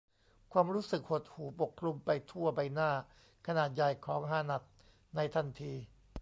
ความรู้สึกหดหู่ปกคลุมไปทั่วใบหน้าขนาดใหญ่ของฮานัดในทันที